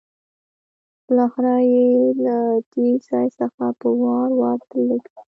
بالاخره یې له دې ځای څخه په وار وار تللی ګڼم.